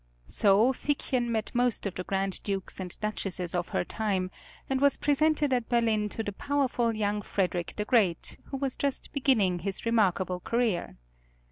So Figchen met most of the Grand Dukes and Duchesses of her time, and was presented at Berlin to the powerful young Frederick the Great, who was just beginning his remarkable career.